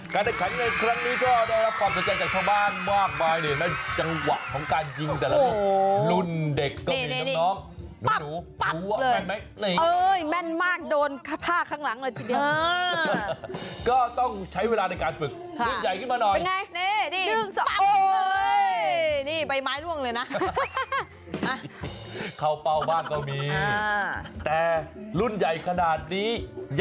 การได้ขัดเงินครั้งนี้ก็ได้รับความสนใจจากชาวบ้านมากมาย